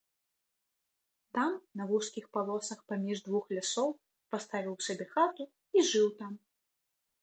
Там на вузкіх палосах паміж двух лясоў паставіў сабе хату і жыў там.